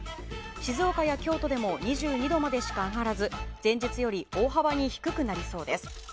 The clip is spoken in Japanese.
静岡や京都でも２２度までしか上がらず前日より大幅に低くなりそうです。